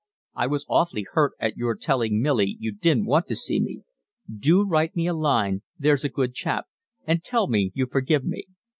I was awfully hurt at your telling Milly you didn't want to see me. Do write me a line, there's a good chap, and tell me you forgive me.